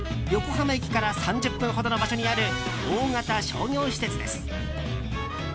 横浜駅から３０分ほどの場所にある大型商業施設です。